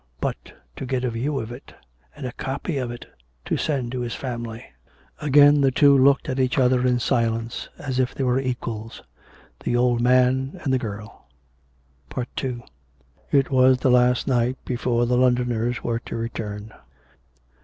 " But to get a view of it. ... And a copy of it, to send to his family." Again the two looked each at the other in silence — as if they were equals — the old man and the girl. II It was the last night before the Londoners were to re turn.